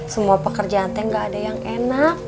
semua pekerjaan teh gak ada yang enak